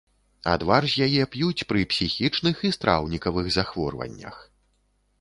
Адвар з яе п'юць пры псіхічных і страўнікавых захворваннях.